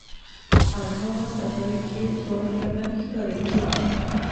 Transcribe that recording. او هاغه سبایي کې دواړه یو رنګ ښکاریدلې